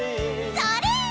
それ！